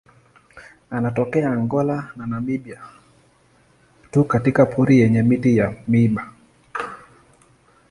Anatokea Angola na Namibia tu katika pori yenye miti ya miiba.